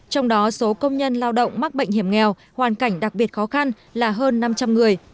trong đó số công nhân lao động mắc bệnh hiểm nghèo hoàn cảnh đặc biệt khó khăn là hơn năm trăm linh người